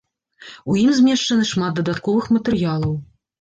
У ім змешчаны шмат дадатковых матэрыялаў.